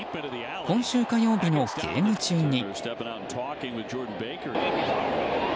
今週火曜日のゲーム中に。